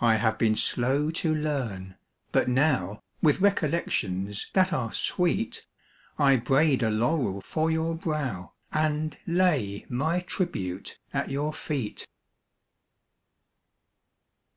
I have been slow to learn, but now, With recollections ■ that are sweet, I braid a laurel for your brow And lay my tribute at your eet.